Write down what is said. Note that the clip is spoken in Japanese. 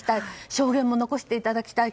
証言も残していただきたい。